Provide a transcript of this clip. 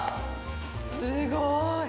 すごい。